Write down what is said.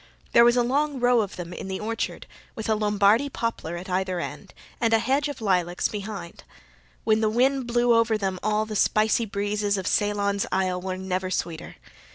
There was a long row of them in the orchard, with a Lombardy poplar at either end, and a hedge of lilacs behind. When the wind blew over them all the spicy breezes of Ceylon's isle were never sweeter.